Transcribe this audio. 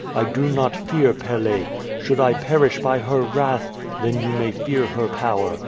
I do not fear Pe'le. Should I perish by her wrath, then you may fear her power.